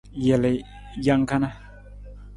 Jelii, jang kana.